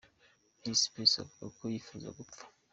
Miss Sepetu avuga ko yifuza gupfa.